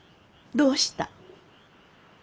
どうした？